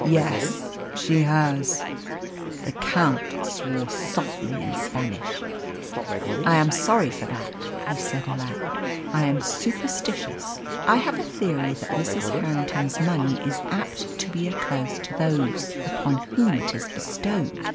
"Yes, she has." The Count swore softly in Spanish. "I am sorry for that," he said aloud. "I am superstitious. I have a theory that Mrs. Harrington's money is apt to be a curse to those upon whom it is bestowed."